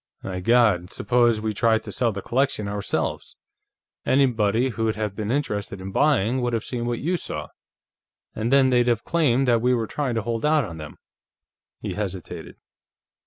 My God, suppose we'd tried to sell the collection ourselves! Anybody who'd have been interested in buying would have seen what you saw, and then they'd have claimed that we were trying to hold out on them." He hesitated.